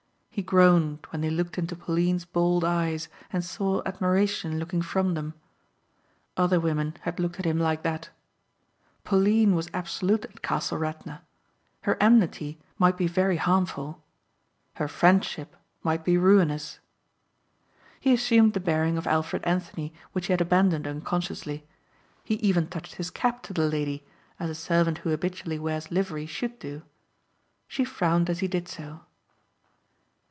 He groaned when he looked into Pauline's bold eyes and saw admiration looking from them. Other women had looked at him like that. Pauline was absolute at Castle Radna. Her enmity might be very harmful. Her friendship might be ruinous. He assumed the bearing of Alfred Anthony which he had abandoned unconsciously. He even touched his cap to the lady as a servant who habitually wears livery should do. She frowned as he did so.